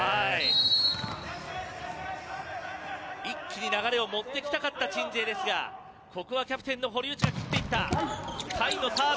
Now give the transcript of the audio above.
一気に流れを持って行きたかった鎮西ですがここはキャプテンの堀内が切っていった。